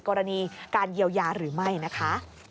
กรณีการเยียวยาหรือไม่นะคะ